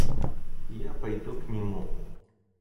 Я пойду к нему.